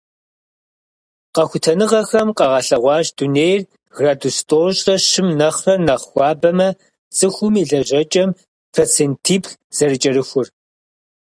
Къэхутэныгъэхэм къагъэлъэгъуащ дунейр градус тӏощӏрэ щым нэхърэ нэхъ хуабэмэ, цӀыхум и лэжьэкӀэм процентиплӏ зэрыкӀэрыхур.